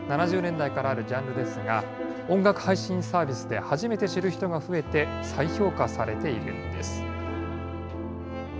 ７０年代からあるジャンルですが、音楽配信サービスで初めて知る人が増えて、再評価されているんです。